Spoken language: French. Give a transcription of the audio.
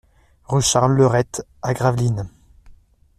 Rue Charles Leurette à Gravelines